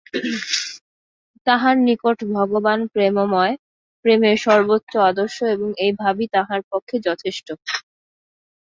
তাঁহার নিকট ভগবান প্রেমময়, প্রেমের সর্বোচ্চ আদর্শ এবং এই ভাবই তাঁহার পক্ষে যথেষ্ট।